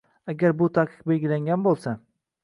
agar bu taqiq belgilangan bo‘lsa